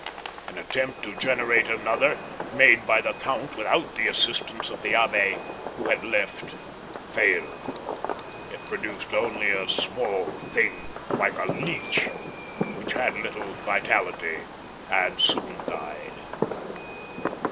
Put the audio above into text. An attempt to generate another, made by the Count without the assistance of the Abbé, who had left, failed; it produced only a small thing like a leech, which had little vitality and soon died."